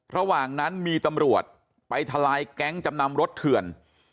ระหว่างนั้นมีตำรวจไปทลายแก๊งจำนำรถเถื่อน